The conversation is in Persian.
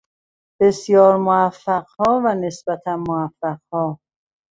بسیار موفقها و نسبتا موفقها